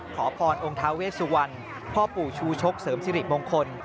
ขอพรองค์ท้าเวสวันพ่อปู่ชูชกเสริมสิริมงคล